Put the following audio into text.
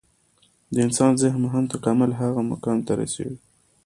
د انسان ذهن هم د تکامل هغه مقام ته رسېږي.